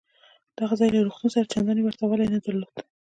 دغه ځای له روغتون سره چندانې ورته والی نه درلود.